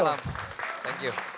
selamat malam thank you